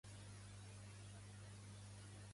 Quan podrà, en canvi?